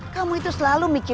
kamu itu selalu mikirkan